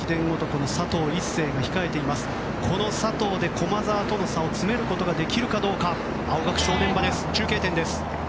この佐藤で駒澤との差を詰めることができるかどうか青学、正念場です。